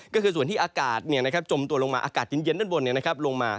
ก็คือส่วนที่อากาศจมตัวลงมาอากาศเย็นด้านบนลงมา